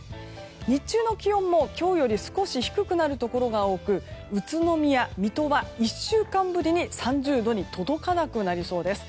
日中の気温も、今日より少し低くなるところが多く宇都宮、水戸は１週間ぶりに３０度に届かなくなりそうです。